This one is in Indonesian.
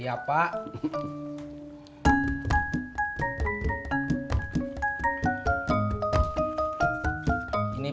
modul untuk minta